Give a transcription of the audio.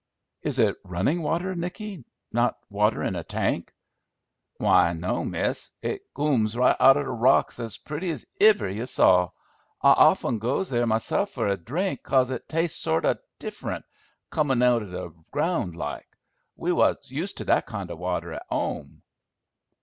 "Is it running water, Nicky, not water in a tank?" "Why, no, miss; it cooms right out o' the rock as pretty as iver you saw! I often goes there myself for a drink, cos it tastes sort o' different, coomin' out o' the ground like. We wos used to that kind o' water at 'ome."